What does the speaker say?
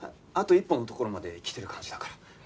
あと一歩のところまで来てる感じだから。